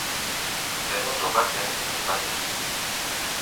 Zɛʼnɛ́ dɔká sɛ̌n hi̧i̧ bátɛ.